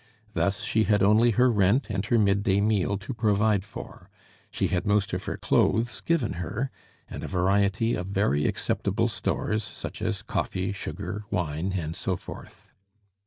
Thus she had only her rent and her midday meal to provide for; she had most of her clothes given her, and a variety of very acceptable stores, such as coffee, sugar, wine, and so forth.